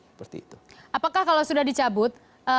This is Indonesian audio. seperti itu apakah kalau sudah dicabut